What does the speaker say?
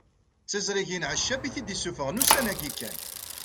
D tiẓrigin Ɛeccab i t-id-isuffɣen ussan-agi kan